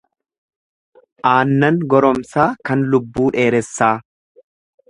Aannan goromsaa kan lubbuu dheeressaa.